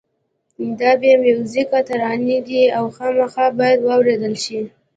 دا بې میوزیکه ترانې دي او خامخا باید واورېدل شي.